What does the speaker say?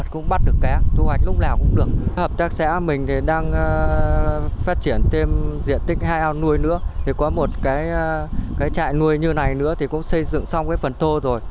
cái trại nuôi như này nữa thì cũng xây dựng xong cái phần tô rồi